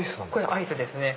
アイスですね。